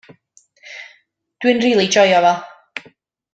Dw i'n rili joio fo.